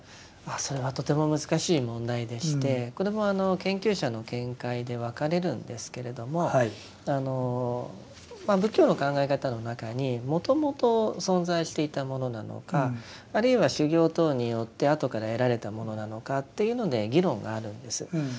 それはとても難しい問題でしてこれもあの研究者の見解で分かれるんですけれども仏教の考え方の中にもともと存在していたものなのかあるいは修行等によってあとから得られたものなのかというので議論があるんです。